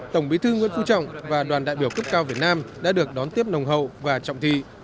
tổng bí thư nguyễn phú trọng và đoàn đại biểu cấp cao việt nam đã được đón tiếp nồng hậu và trọng thị